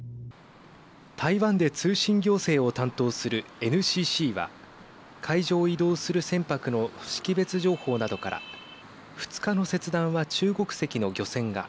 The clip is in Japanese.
台湾で通信行政を担当するＮＣＣは海上を移動する船舶の識別情報などから２日の切断は中国籍の漁船が。